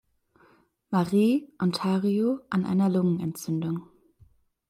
Marie, Ontario an einer Lungenentzündung.